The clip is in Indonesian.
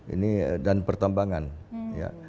ini dan pertambangan ya